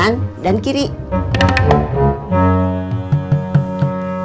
kamu yang harus minum